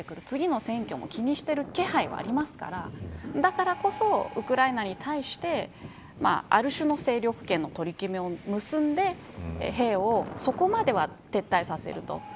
次の選挙も気にしている気配はありますからだからこそ、ウクライナに対してある種の勢力圏の取り決めを結んで兵をそこまでは撤退させると。